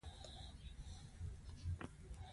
افغانستان د هلمند د دغه لوی سیند لپاره مشهور دی.